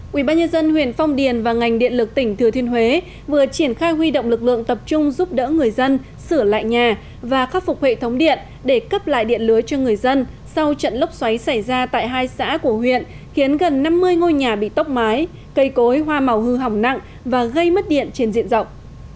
quỹ bác nhân dân huyện phong điền và ngành điện lực tỉnh thừa thiên huế vừa triển khai huy động lực lượng tập trung giúp đỡ người dân sửa lại nhà và khắc phục hệ thống điện để cấp lại điện lưới cho người dân sau trận lốc xoáy xảy ra tại hai xã của huyện khiến gần năm mươi ngôi nhà bị tốc mái cây cối hoa màu hư hỏng nặng và gây mất điện trên diện rộng